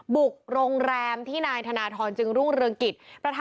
บุกโรงแรมที่นายธนทรจึงรุ่งเรืองกิจ